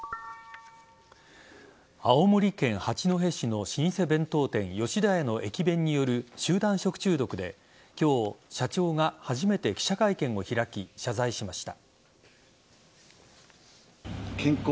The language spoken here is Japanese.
青森県八戸市の老舗弁当店・吉田屋の駅弁による集団食中毒で今日、社長が初めて記者会見を開き謝罪しました。